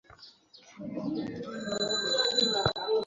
রাসূল-প্রেমে তারা খুবই উজ্জীবিত ছিলেন।